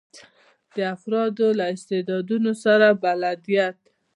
د افرادو له استعدادونو سره بلدیت.